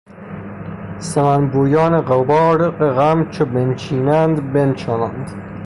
سمن بویان غبار غم چو بنشینند بنشانند